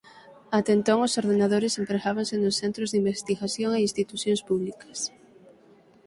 Ate entón entón os ordenadores empregábanse en centros de investigación e institucións públicas.